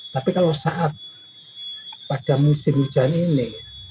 tapi kalau saat pada musim hujan ini